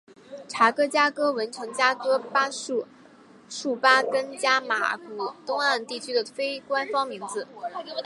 查哥加哥文程加哥术巴根加马古东岸地区的非官方名字。